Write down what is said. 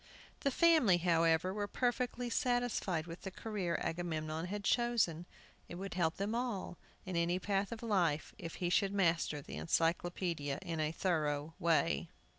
The family, however, were perfectly satisfied with the career Agamemnon had chosen. It would help them all, in any path of life, if he should master the Encyclopædia in a thorough way.